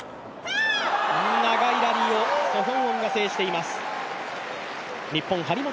長いラリーをソ・ヒョウォンが制しています。